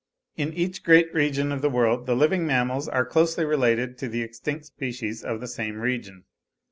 In each great region of the world the living mammals are closely related to the extinct species of the same region.